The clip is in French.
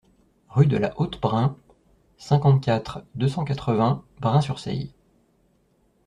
Rue de la Haute-Brin, cinquante-quatre, deux cent quatre-vingts Brin-sur-Seille